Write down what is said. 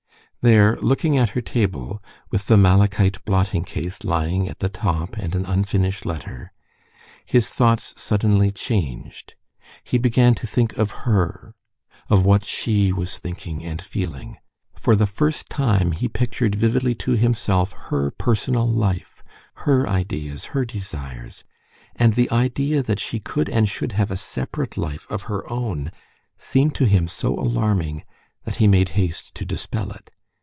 There, looking at her table, with the malachite blotting case lying at the top and an unfinished letter, his thoughts suddenly changed. He began to think of her, of what she was thinking and feeling. For the first time he pictured vividly to himself her personal life, her ideas, her desires, and the idea that she could and should have a separate life of her own seemed to him so alarming that he made haste to dispel it.